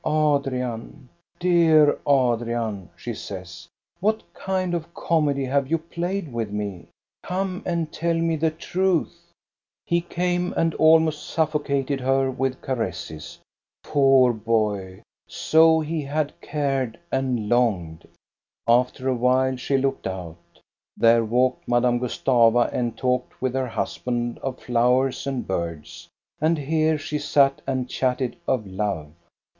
" Adrian, dear Adrian," she says, " what kind of a comedy have you played with me ? Come and tell me the truth." He came and almost suffocated her vdth caresses. Poor boy, so he had cared and longed. After a while she looked out. There walked Madame Gustava and talked with her husband of flowers and birds, and here she sat and chatted of love.